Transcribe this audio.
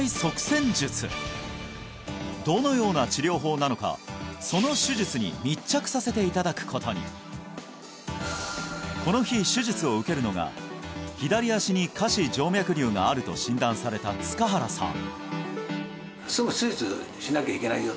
どのような治療法なのかその手術に密着させていただくことにこの日手術を受けるのが左足に下肢静脈瘤があると診断された塚原さん